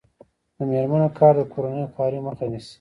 د میرمنو کار د کورنۍ خوارۍ مخه نیسي.